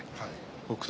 北勝